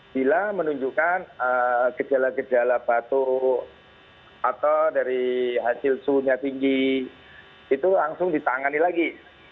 bila menunjukkan gejala gejala batuk atau dari hasil suhunya tinggi itu langsung ditangani lagi